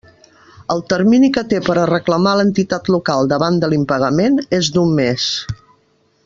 El termini que té per a reclamar l'entitat local davant de l'impagament és d'un mes.